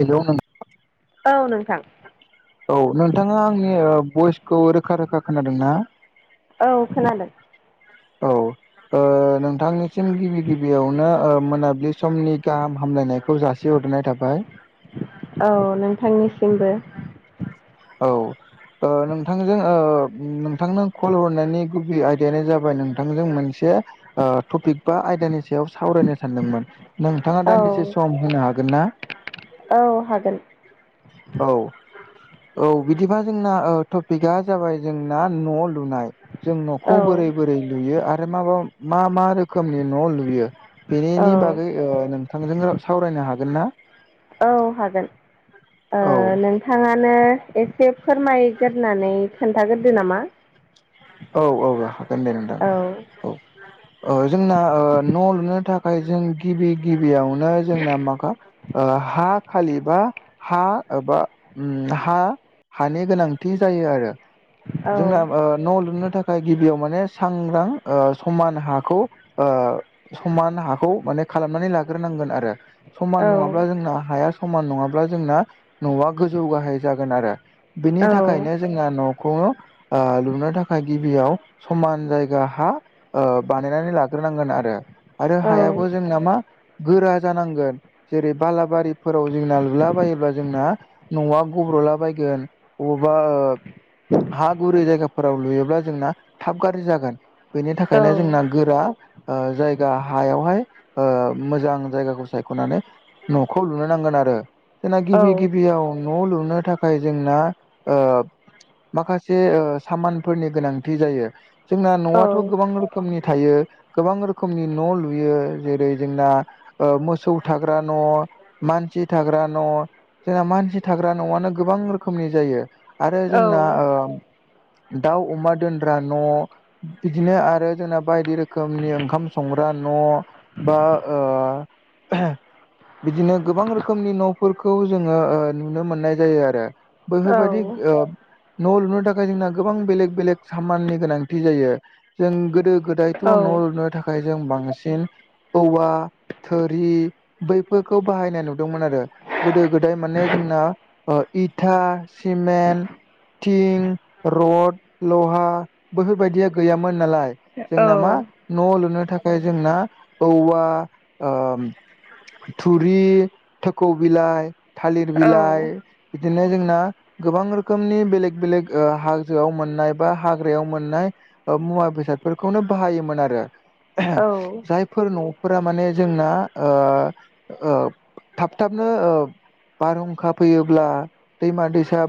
हेल' नोंथां? औ नोंथां। औ नोंथाङा आंनि भइसखौ रोखा रोखा खोनादों ना औ खोनादों औ नोंथांनिसिम गिबि गिबियावनो मोनाब्लि समनि गाहाम हामलायनायखौ जासिहरनाय थाबाय औ नोंथांनिसिमबो औ ओ नोंथांजों ओ नोंथांनो कल हरनायनि गुबै आयदायानो जाबाय नोंथांजों मोनसे ओ टपिक बा आयदानि सायाव सावरायनो सानदोंमोन नोंथाङा औ दान्दिसे सम होनो हागोन ना औ हागोन औ औ बिदिबा जोंना टपिकआ जाबाय जोंना न' लुनाय जों औ न'खौ बोरै बोरै लुयो आरो माबा मा मा रोखोमनि न' लुयो औ बेनि बागै ओ नोंथांजों सावरायनो हागोन ना औ हागोन ओ औ नों नोंथाङानो एसे फोरमायगोरनानै खोन्थाग्रोदो नामा औ औ हागोन दे नोंथां औ औ ओ जोंना ओ न' लुनो थाखाय जों गिबि गिबियावनो जोंना माखा हा खालिबा हा एबा हा हानि गोनांथि जायो आरो औ जोंना न' लुनो थाखाय गिबियाव माने सांग्रां समान हाखौ समान हाखौ माने खालामनानै लाग्रोनांगोन आरो समान औ औ नङाब्ला जोंना हाया समान नङाब्ला जोंना न'आ गोजौ गाहाय जागोन आरो बिनि औ थाखायनो जोंहा न'खौ लुनो थाखाय थाखाय गिबियाव समान जायगा हा बानायनानै लाग्रोनांगोन आरो आरो औ हायाबो जोंना मा गोरा जानांगोन जेरै बालाबारिफोराव जोंना लुलाबायोब्ला जोंना न'आ गब्र'लाबायायगोन अबावबा हा गुरि जायगाफोराव लुयोब्ला जोंना थाब गाज्रि जागोन बेनि औ थाखायनो औ औ जोंना गोरा जायगा हायावहाय मोजां जायगाखौ सायख'नानै न'खौ लुनो नांगोन आरो जोंना औ गिबि गिबियाव न' लुनो थाखाय जोंना माखासे सामान फोरनि गोनांथि जायो जोंना न'आथ' गोबां रोखोम रोखोमनि थायो गोबां रोखोमनि न' लुयो जेरै जोंना मोसौ थाग्रा न' मानसि थाग्रा न' जोंना मानसि थाग्रा न'आनो गोबां रोखोमनि जायो आरो जोंना दाउ अमा दोनग्रा न' बिदिनो आरो जोंना बायदि रोखोमनि ओंखाम संग्रा न' बा बिदिनो गोबां रोखोमनि न'फोरखौ जोङो नुनो मोननाय जायो आरो बैफोरबायाददि न' लुनो थाखाय जोंना गोबां बेलेग बेलेग सामाननि गोनांथि जायो जों गोदो गोदायथ' न' लुनो थाखाय खाय जों बांसिन औवा थुरि बैफोरखौ बाहायनाय नुदोंमोन आरो गोदो गोदाय माने जोंना इथा सिमेन्ट थिं रड लहा बैफोरबायदिया गैयामोन नालाय जोंना मा न' लुनो थाखाय जोंना औवा थुरि थखौ बिलाइ थालिर बिलाइ बिदिनो जोंना गोबां रोखोमनि बेलेग बेलेग हाजोआव मोननाय बा हाग्रायाव मोननाय मुवा बेसादफोरखौनो बाहायोमोन आरो जाय फोर न'फोरा माने जोंना थाब थाबनो बारहुंखा फैयोब्ला दैमा दैसा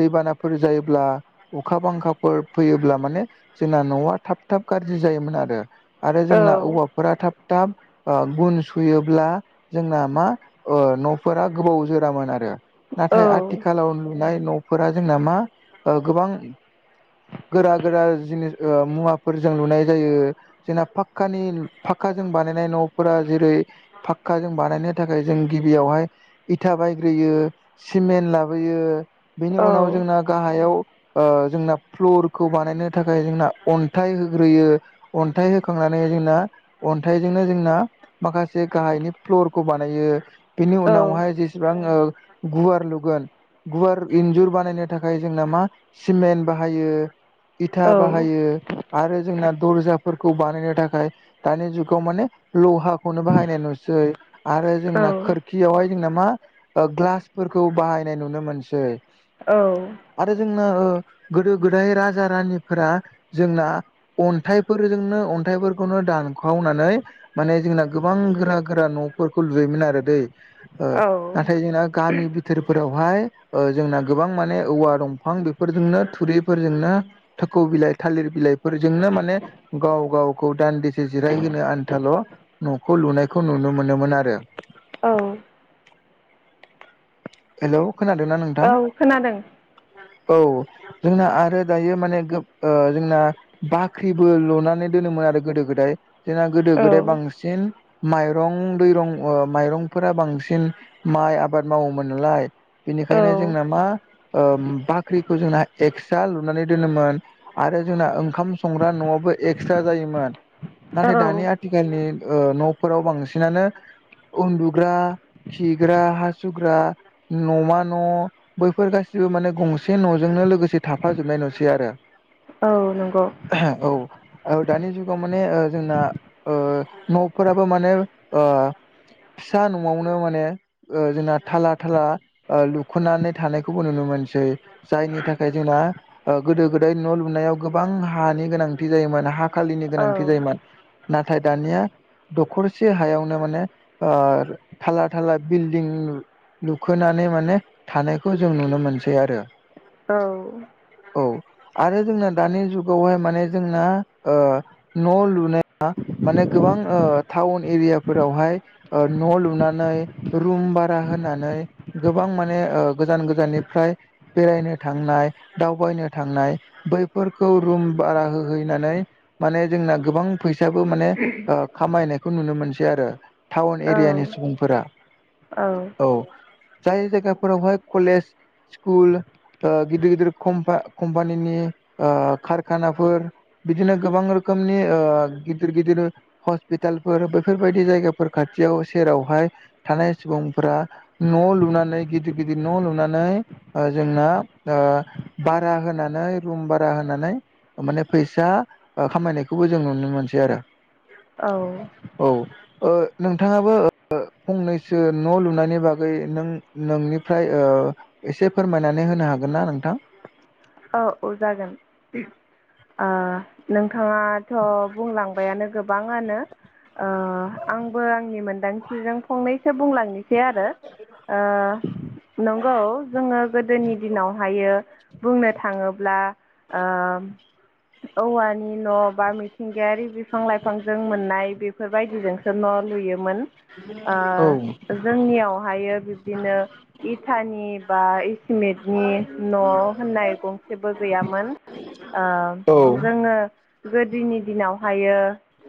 दैबानाफोर जायो ब्ला अखा बांखाफोर फैयोब्ला माने जोंना न'आ थाब थाब गाज्रि जायोमोन आरो आरो जोंना औवाफोरा थाब थाब गुन सुयोब्ला जोंना मा न'फोरा गोबाव जोरामोन आरो नाथाय आथिखालाव नुनाय न'फोरा जोंना मा गोबां गोरा गोरा जिनिस ओ मुवाफोरजों लुनाय जायो जोंना फाक्कानि फाक्काजों बानायनाय न'फोरा जेरै फाक्का जों बानायनो थाखाय जों गिबियावहाय इथा बायग्रोयो सिमेन्ट लाबोयो बेनि उनाव जोंना गाहायाव ओ जोंना फ्लरखौ बानायनो थाखाय जोंना अन्थाइ होग्रोयो अन्थाइ होखांनानै जोंना अन्थाइजोंनो जोंना माखासे गाहायनि फ्लरखौ बानायो बिनि उनावहाय जेसेबां गुवार लुगोन गुवार इन्जुर बानायनो नि थाखाय जोंना मा सिमेन्ट बाहायो इथा बाहायो आरो जोंना दर्जाफोरखौ बानायनो थाखाय दानि जुगाव माने लहाखौनो बाहायनाय नुसै आरो जोंना खोरखियावहाय जोंना मा ग्लासफोरखौ बाहायनाय नुनो मोनसै औ आरो जोंना गोदो गोदाय राजा रानिफोरा जोंना अन्थाइफोरजोंनो अन्थाइफोरखौनो दानखावनानै माने जोंना गोबां गोरा गोरा न'फोरखौ लुयोमोन आरो दै औ औ नाथाय जोंना औ गामि बिथोरफोरावहाय जोंना गोबां माने औवा दंफां बेफोरजोंनो थुरिफोरजोंनो थोखौ बिलाइ थालिर बिलाइफोरजोंनो माने गाव गावखौ दान्दिसे जिरायहोनो आन्थाल' न'खौ लुनायखौ नुनो मोनोमोन आरो औ हेल' खोनादोंना नोंथां औ खोनादों औ जोंना आरो दायो माने जोंना बाख्रिबो लुनानै दोनोमोन आरो गोदो गोदाय जोंना गोदो औ गोदाय बांसिन बांसिन माइरं दैरं माइरंफोरा बांसिन माइ आबाद मावोमोन नालाय बेनिखायनो औ जोंना मा बाख्रिखौ जोंना एक्सट्रा लुनानै दोनोमोन आरो जोंना ओंखाम संग्रा न'आवबो एक्सट्रा जायोमोन नाथाय औ दानिया आथिखालनि न'फोराव बांसिनानो उन्दुग्रा खिग्रा हासु सुग्रा न'मा न' बैफोर गासिबो माने गंसे न'जोंनो लोगोसे थाफाजोबनाय नुसै आरो औ नंगौ औ दानि जुगाव माने जोंना ओ न'फोराबो माने फिसा न'आवनो माने ओ जोंना थाला थाला लुख'नानै थानायखौबो नुनो मोनसै जायनि थाखाय जोंना गोदो गोदाय न' लुनायाव गोबां हानि गोनांथि जायोमोन हा खालिनि औ गोनांथि जायोमोन नाथाय दानिया दखरसे हायावनो माने ओ थाला थाला बिल बिनि लुखोनानै माने थानायखौ जों नुनो मोनसै आरो औ औ आरो जोंना दानि जुगावहाय माने जोंना ओ न' लुनाया माने गोबां टाउन एरियाफोरावहाय न' लुनानै रुम बारा होनानै गोबां माने गोजान गोजाननिफ्राय बेरायनो थांनाय दावबायनो थांनाय बैफोरखौ रुम बारा होहैनानै माने जोंना गोबां फैसाबो माने खामायनायखौ नुनो मोनसै आरो टाउन औ एरियानि सुबुंफोरा औ औ जाय जायगाफोरावहाय कलेज स्कुल ओ गिदिर गिदिर कम कम्पानिनि कारखानाफोर बिदिनो गोबां रोखोमनि ओ गिदिर गिदिर हस्पिटालफोर बैफोरबायदि जायगाफोर खाथियाव सेरावहाय थानाय सुबुंफोरा न' लुनानै गिदिर गिदिर न' लुनानै ओ जोंना ओ बारहा होनानै रुम बारहा होनानै माने फैसा ओ खामायनायखौबो जों नुनो मोनसै आरो औ औ ओ नोंथाङाबो ओ फंनैसो न' लुनायनि बागै नों नोंनिफ्राय ओ एसे फोरमायनानै होनो हागोन ना नोंथां? औ ओ जागोन ओ नोंथाङाथ' बुंलांबायानो गोबाङानो ओ आंबो आंनि मोनदांथिजों फंनैसो बुंलांनोसै आरो ओ नंगौ जोङो गोदोनि दिनावहायो बुंनो थाङोब्ला ओ औवानि न' बा मि थिंगायारि बिफां लाइफांजों मोननाय बिफोरबायदिजोंसो न' लुयोमोन औ जोंनियावहाय बिब्दिनो इथानि बा इसिमेटनि न' होननाय गंसेबो गैयामोन ओ औ जोङो गोदिनि दिनावहायो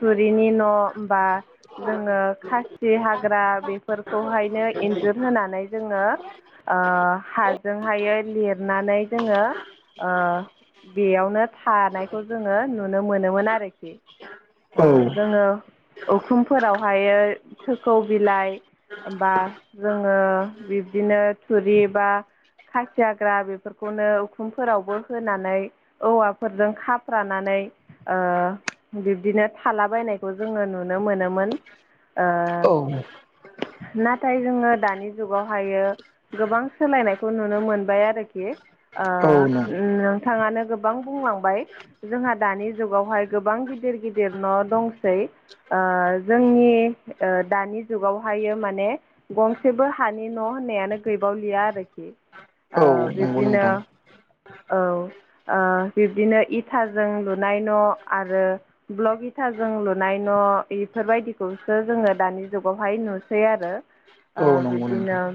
थुरिनि न' बा जोङो खासि हाग्रा बेफोरखौहायनो एन्जुर होनानै जोङो ओ हाजोंहायो लिरनानै जोङो ओ बेयावनो थानायखौ जोङो नुनो मोनोमोन आरोखि ओ जोङो उखुमफोरावहायो थोखौ बिलाइ बा जोङो बिब्दिनो थुरि बा खासि हाग्रा बेफोर खौनो उखुमफोरावबो होनानै औवाफोरजों खाफ्रानानै ओ बिब्दिनो थाला बायनायखौ जोङो नुनो मोनोमोन ओ नाथाय जोङो दानि जुगावहायो गोबां सोलायनायखौ नुनो मोनबाय आरोखि ओ औ नों ओमनो थाङानो गोबां बुंलांबाय जोंहा दानि जुगावहाय गोबां गिदिर गिदिर न' दंसै ओ जोंनि ओ दानि जुगावहायो माने गंसेबो हानि न' होननायानो गैबावलिया आरोखि ओ औ बे नंगौ दिनो नोंथां औ ओ बिब्दिनो इथाजों लुनाय न' आरो ब्ल'इथाजों लुनाय न' इफोरबायदिखौसो जोङो दानि जुगावहाय नुसै आरो औ ओ नंगौ बिब्दिनो नोंथां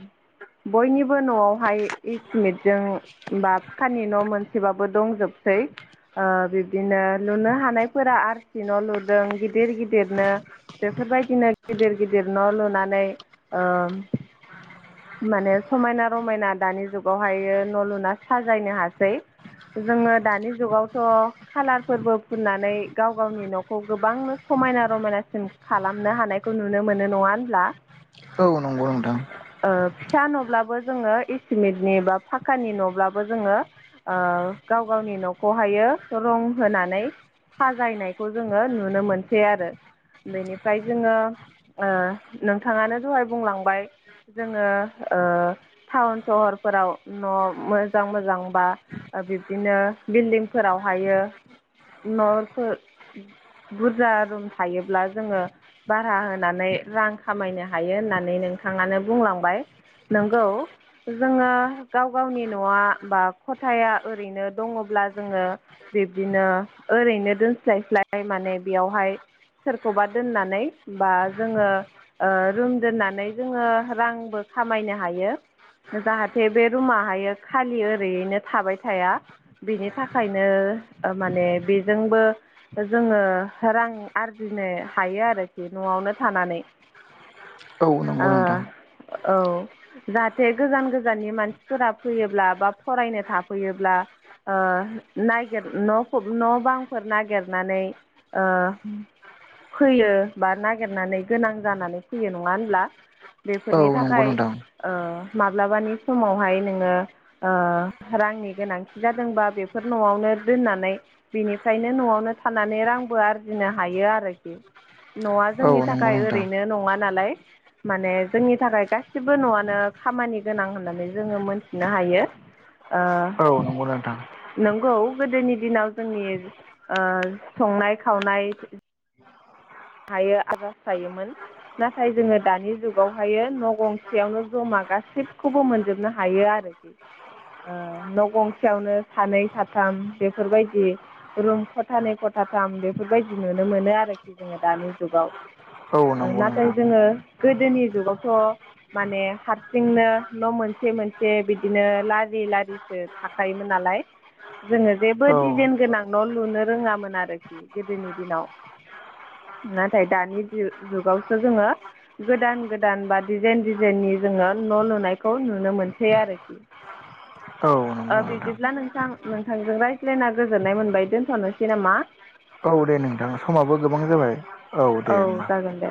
बयनिबो न'आवहाय इ सिमिट जों बा फाखानि न' मोनसेबाबो दंजोबसै ओ बिब्दिनो लुनो हानायफोरा आरसि न' लुदों गिदिर गिदिरनो बेफोरबायदिनो गिदिर गिदिर न' लुनानै ओम माने समायना रमायना दानि जुगावहायो न' लुना साजायनो हासै जोङो दानि जुगावथ' खालारफोरबो फुननानै गाव गावनि न'खौ गोबांनो समायना रमायनासिन खालामनो हानायखौ नुनो मोनो नङा होनब्ला औ नंगौ नोंथां। ओ फिसा न'ब्लाबो जोङो इसिमेटनि बा फाखानि न'ब्लाबो जोङो ओ गाव गावनि न'खौहायो रं होनानै साजायनायखौ जोङो नुनो मोनसै आरो बेनिफ्राय जोङो नोंथाङानो दहाय बुंलांबाय जोङो ओ टाउन सहरफोराव न' मोजां मोजां बा बिब्दिनो बिल्डिंफोराव हायो न'फोर बुरजा रुम थायोब्ला जोङो भारा होनानै रां खामायनो हायो होननानै नोंथाङानो बुंलांबाय नोंगौ जोङो गाव गावनि न'आ बा खथाया ओरैनो दङब्ला जोङो बिब्दिनो ओरैनो दोनस्लायस्लाय माने बेयावहाय सोरखौबा दोननानै बा जोङो ओ रुम दोननानै जोङो रांबो खामायनो हायो। जाहाथे बे रुमाहाय खालि ओरैयैनो थाबाय थाया। बिनि थाखायनो ओ माने बेजोंबो ओ जोङो रां आरजिनो हायो आरो न'आवनो थानानै औ ओ नंगौ नोंथां औ जाहाथे गोजान गोजाननि मानसिफोरा फैयोब्ला बा फरायनो थाफैयोब्ला ओ नागिर न' न' बांफोर नागिरनानै ओ फैयो बा नागिरनानै गोनां जानानै फैयो नङा होनब्ला? बेफोरनि औ नंगौ थाखाय नोंथां ओ माब्लाबानि समावहाय नोङो ओ रांनि गोनांथि जादोंबा बेफोर न'आवनो दोननानै बेनिफ्रायनो न'आवनो थानानै रांबो आरजिनो हायो आरोखि न'आ औ जोंनि नंगौ थाखाय नोंथां ओरैनो नङा नालाय माने जोंनि थाखाय गासिबो न'आनो खामानि गोनां होननानै जोङो मोनथिनो हायो। ओ औ नंगौ नोथां। नंगौ गोदोनि दिनाव जोंनि ओ संनाय खावनाय [inaudible] [unintelligible] नाथाय जोङो दानि जुगावहायो न' गंसेयावनो जमा गासिबखौबो मोनजोबनो हायो आरो ओ न' गंसेयावनो सानै साथाम बेफोरबायदि रुम खथानै खथाथाम बेफोरबायदि नुनो मोनो आरोखि जोङो दानि जुगाव औ ओ नंगौ नाथाय नोंथां जोङो गोदोनि जुगावथ' माने हारसिंनो न' मोनसे मोनसे बिदिनो लारि लारि ओ थाखायोमोन नालाय जोङो जेबो औ दिडिजाइन गोनां न' लुनो रोङामोन आरोखि गोदोनि दिनाव नाथाय दानि जुगावसो जोङो गोदान गोदान बा दिडिजाइन डिजाइन नि जोङो न' लुनायखौ नुनो मोनसै आरो [inaudible] ओ बिब्दिब्ला नोंथां नोंथांजों रायज्लायना गोजोननाय मोनबाय दोनथ'नोसै नामा? औ दे नोंथां समाबो गोबां जाबाय दे औ होमबा जागोन दे।